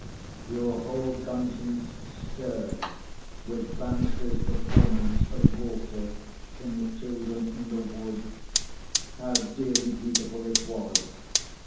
Your whole conscience stirred with Bannister's performance of Walter in the Children in the Wood—how dearly beautiful it was!